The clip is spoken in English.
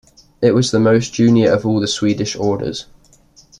It was the most junior of all the Swedish orders.